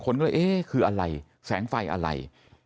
คนก็เลยเอ๊ะคืออะไรแสงไฟอะไร